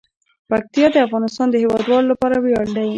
پکتیا د افغانستان د هیوادوالو لپاره ویاړ دی.